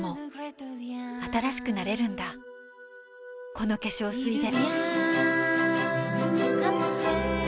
この化粧水で